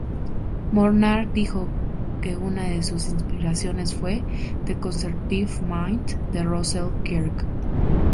Molnar dijo que una de sus inspiraciones fue "The Conservative Mind" de Russell Kirk.